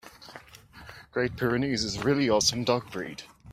Great Pyrenees is a really awesome dog breed.